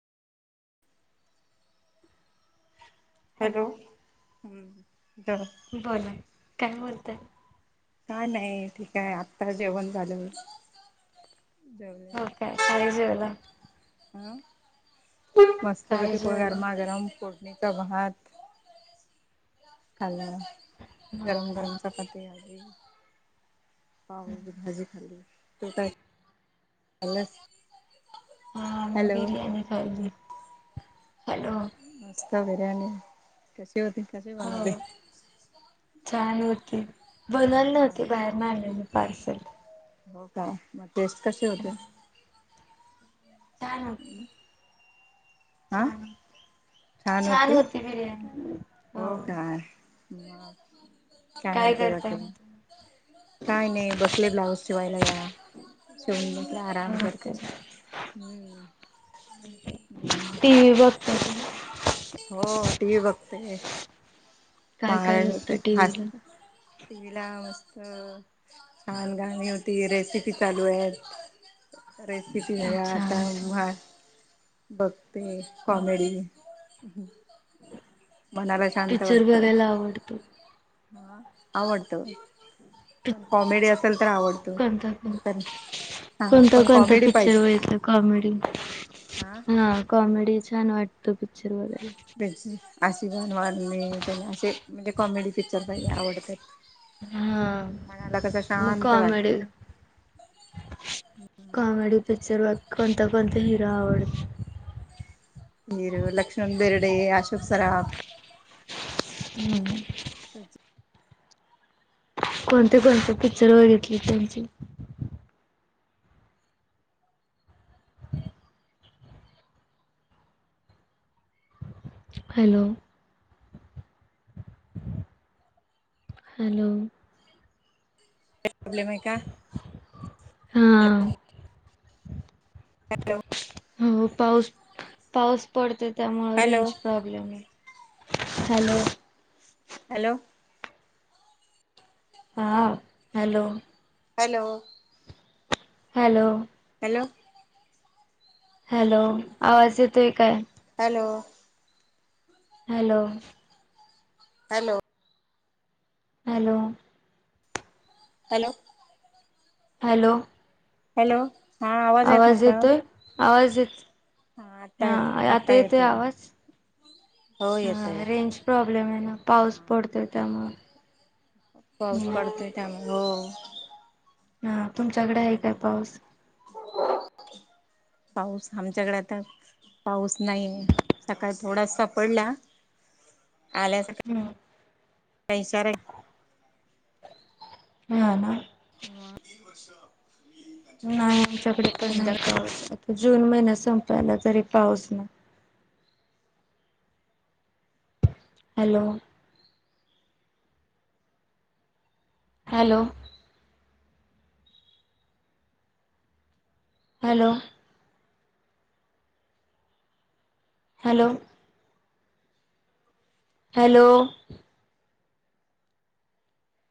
Hello हम्म. काय बोला. काय बोलताय? काय नाय ठीक हाय, आत्ता जेवण झालं. जेवले हो काय काय जेवला हम्म मस्त काय पैकी पो जेवला गरमागरम [unintelligible] नीचा भात खाल्ला हो गरम काय गरम चपाती आणि पावी भाजी भाजी खाल्ली तो काय [unintelligible] हा म हॅलो बिरयानी खाली हॅलो. [unintelligible] आणि कशी होती कशी हो बनवली? छान होती. बनवली हो नव्हती का बाहेर न आणलेली पार्सल. हो का, मग टेस्ट कशे होते? छान होती. हा छान, छान होती बिर्याणी हो. मग काय म्हणते करताय बाकी म? मग काय नाही, बसले ब्लाऊज शिवायलया शिवून म्हंटल आराम करते. नमस्कार हम्म. टीवी बगतय हो टीवी बघते. काय काय बघता महाराष्ट्राची टीव्हीला हास्य टीवी ला मस्त छान गाणी होती, रेसिपी चालू आहेत. [unintelligible] अरे किती [unintelligible] अच्छा आता म्हा बघते कॉमेडी मनाला शांत पिक्चर वाट बघायला आवडतो हा आवडतं. पण पिक् कॉमेडी असेल तर आवडतो कोणता नाही कोणता तर हा कोणता पण कोणता कॉमेडी पिक्चर पाहिजे बघितलाय कॉमेडी? हा कॉमेडी छान वाटतं पिक्चर वगैरे. आशिबान वारले त्यांना असे म्हणजे कॉमेडी पिकच्चर काही आवडतात. हा मनाला कसं शांत मुखमेड. वाटतं. Comedy picture. बघ कोणता कोणता हिरो आवडत. मर लक्ष्मण बेरडे अशोक सराब हम्म. अच्छा. कोणते कोणते पिक्चर बघितली त्यांची.. हॅलो. हॅलो. हा [unintelligible] हो पाऊस पाऊस पडत. त्यामुं हॅलो रेंज प्रॉब्लेम आहे हॅलो. हॅलो. हा hello. Hello. Hello. Hello. Hello आवाज.. hello. Hello. Hello. Hello. Hello. Hello. Hello हा आवाज येत नव्हता व्हय. आवाज येत हा आता आत्ता येते येतोय आवाज? हो येतोय हा येतोय रेंज प्रॉब्लेम आहे ना पाऊस हा पडतोय त्यामुळ पाऊस पडतय त्यामुळे हो. हा तुमच्याकडे आहे काय म्हणते मग पाऊस? पाऊस आमच्याकडे आता. पाऊस नाही सकाळ थोडा सा पडला. आल्यास हम्म [unintelligible] [unintelligible] नाहीं तुमच्याकडे [unintelligible] जून महिन्या संपयला तरी पाऊस नाय. Hello. Hello. Hello. Hello. Hello.